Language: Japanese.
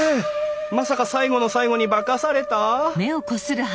まさか最後の最後に化かされた！？